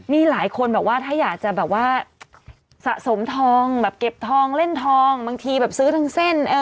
นี่หลายคนถ้าอยากจะสะสมทองเก็บทองเล่นทองบางทีซื้อทั้งเส้น